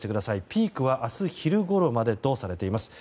ピークは明日昼ごろとされています。